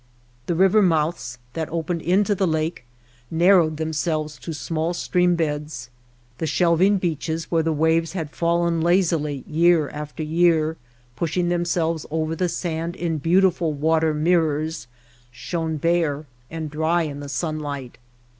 The river mouths that opened into the lake narrowed themselves to small stream beds. The shelving beaches where the waves had fallen lazily year after year, pushing themselves over the sand in beautiful water mirrors, shone bare and dry in the sunlight.